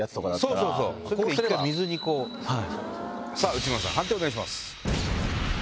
内村さん判定お願いします。